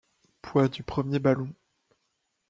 Poids du premier ballon. ..